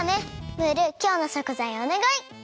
ムールきょうのしょくざいをおねがい！